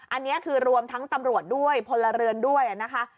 อันนี้คือรวมทั้งตำรวจด้วยพลเรือนด้วยนะคะ